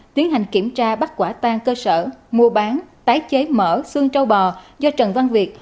tiến hành kiểm tra bắt quả tang cơ sở mua bán tái chế mở xương trâu bò do trần văn việt